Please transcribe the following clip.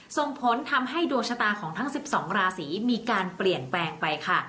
ส่งผลทำให้ดวงชะตาของทั้ง๑๒ราศีมีการเปลี่ยนแปลงไปค่ะ